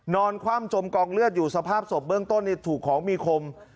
คว่ำจมกองเลือดอยู่สภาพศพเบื้องต้นถูกของมีคม